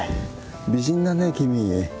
美人だね君。